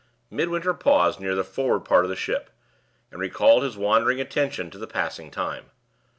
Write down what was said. Midwinter paused near the forward part of the ship, and recalled his wandering attention to the passing time.